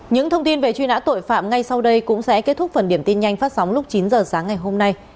những thông tin về truy nã tội phạm ngay sau đây cũng sẽ kết thúc phần điểm tin nhanh phát sóng lúc chín h sáng ngày hôm nay